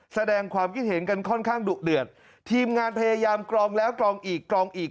แสดงความคิดเห็นกันค่อนข้างดุเดือดทีมงานพยายามกรองแล้วกรองอีกกรองอีก